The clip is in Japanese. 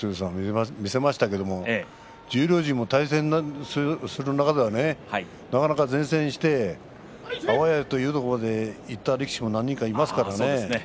抜群の強さを見せましたけれども十両陣も対戦する中ではなかなか善戦してあわやというところまでいった力士もいましたからね。